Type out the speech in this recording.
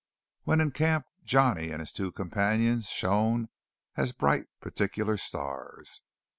When in camp Johnny and his two companions shone as bright particular stars.